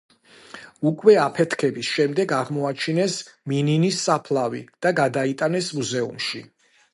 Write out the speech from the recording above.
უკვე აფეთქების შემდეგ აღმოაჩინეს მინინის საფლავი და გადაიტანეს მუზეუმში.